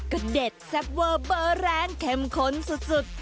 ก็เด็ดแซ่บเวอร์เบอร์แรงเข้มข้นสุด